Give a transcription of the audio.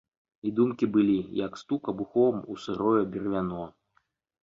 І думкі былі, як стук абухом у сырое бервяно.